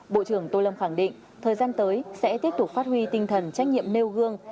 bộ trưởng tô lâm khẳng định thời gian tới sẽ tiếp tục phát huy tinh thần trách nhiệm nêu gương